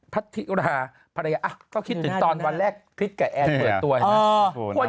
พัทิราภรรยาอ๊ะก็คิดถึงตอนวันแรกคิดกับแอร์เกิดตัวอย่างนั้น